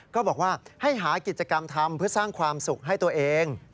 ก็บอกว่าให้หากิจกรรมทำเพื่อสร้างความสุขให้ตัวเอง